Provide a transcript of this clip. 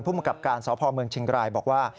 มังกับการสพเมืองเชียงรายบอกว่า